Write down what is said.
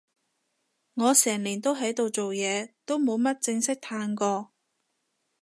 我成年都喺度做嘢，都冇乜正式嘆過